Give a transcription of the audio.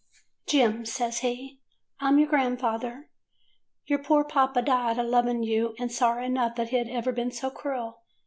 " 'Jem,' says he, T 'm your grandfather. Your poor papa died a loving you, and sorry enough that he 'd ever been so cruel.